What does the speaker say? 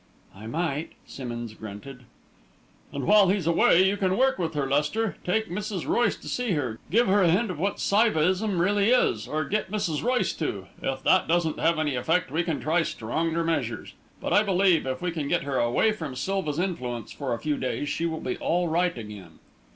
"I might," Simmonds grunted. "And while he's away, you can work with her, Lester; take Mrs. Royce to see her, give her a hint of what Saivaism really is or get Mrs. Royce to. If that doesn't have any effect, we can try stronger measures; but I believe, if we can get her away from Silva's influence for a few days, she will be all right again."